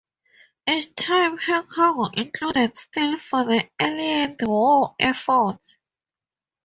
Each time her cargo included steel for the Allied war effort.